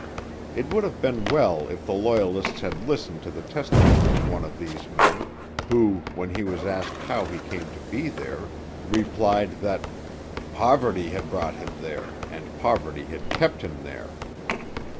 It would have been well if the Loyalists had listened to the testimony of one of these men, who, when he was asked how he came to be there, replied that 'poverty had brought him there, and poverty had kept him there.'